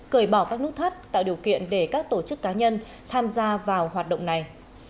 cởi bỏ các nút thắt tạo điều kiện để các tổ chức cá nhân tham gia vào hoạt động này